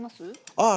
ああ